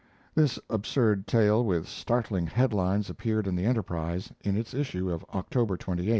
This absurd tale with startling head lines appeared in the Enterprise, in its issue of October 28, 1863.